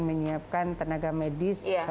menyiapkan tenaga medis